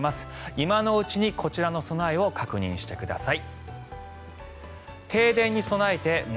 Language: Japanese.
今のうちに、こちらの備えを確認してください。